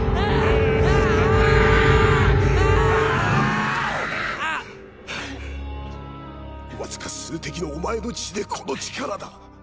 あっわずか数滴のお前の血でこの力だ